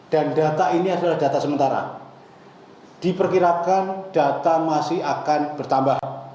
dan data ini adalah data sementara diperkirakan data masih akan bertambah